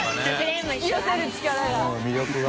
引き寄せる力が。